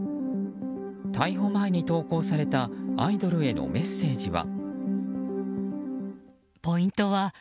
逮捕前に投稿されたアイドルへのメッセージは。